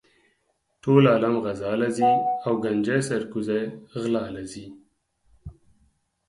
ټول عالم غزا لہ ځی او ګنجي سر کوزے غلا لہ ځی